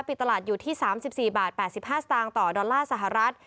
ปิดตลาดอยู่ที่๓๔บาท๘๕สตางค์ต่อดอลลาร์สหรัฐ